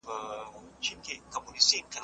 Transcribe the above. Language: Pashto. کېدای سي کالي لمد وي!.